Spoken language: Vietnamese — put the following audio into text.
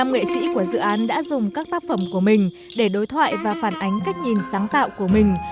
một mươi nghệ sĩ của dự án đã dùng các tác phẩm của mình để đối thoại và phản ánh cách nhìn sáng tạo của mình